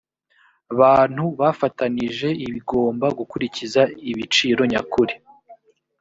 bantu bafatanije igomba gukurikiza ibiciro nyakuri